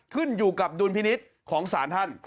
ขึ้นอยู่กับดุลพินิษฐ์ของศาลท่าน